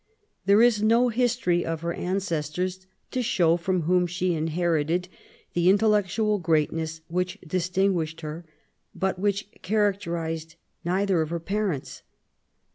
There is no history of her ancestors to show from whom she inherited the intellectual great ness which distinguished her, but which characterised neither of her parents.